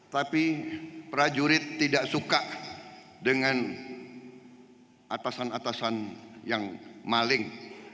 tapi prajurit tidak suka dengan atasan atasan yang maling